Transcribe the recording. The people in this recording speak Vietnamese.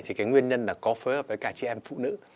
thì cái nguyên nhân là có phối hợp với cả chị em phụ nữ